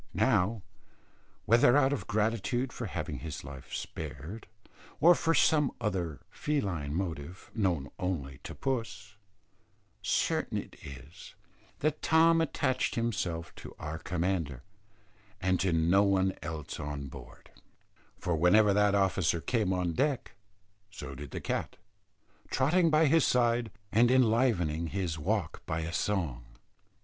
Now, whether out of gratitude for having his life spared, or for some other feline motive known only to puss, certain it is, that Tom attached himself to our commander, and to no one else on board; for whenever that officer came on deck, so did the cat, trotting by his side and enlivening his walk by a song.